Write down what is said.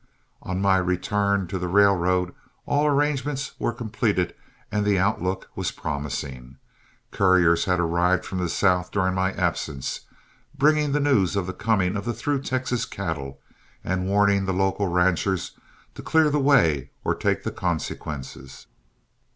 On my return to the railroad, all arrangements were completed and the outlook was promising. Couriers had arrived from the south during my absence, bringing the news of the coming of the through Texas cattle, and warning the local ranches to clear the way or take the consequences.